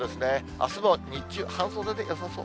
あすも日中、半袖でよさそう。